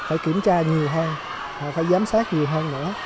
phải kiểm tra nhiều hơn phải giám sát nhiều hơn nữa